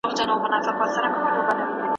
چې اوس هم ګران دی په موږ؟